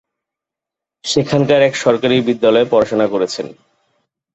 সেখানকার এক সরকারি বিদ্যালয়ে পড়াশোনা করেছেন।